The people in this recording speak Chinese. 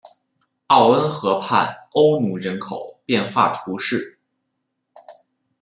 奥恩河畔欧努人口变化图示